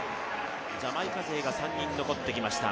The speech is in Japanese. ジャマイカ勢が３人残ってきました。